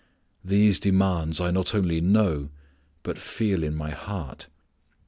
These demands I not only know, but feel in my heart.